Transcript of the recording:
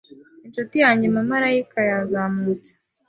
Inshuti yanjye Umumarayika yazamutse